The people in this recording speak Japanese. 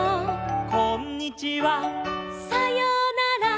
「こんにちは」「さようなら」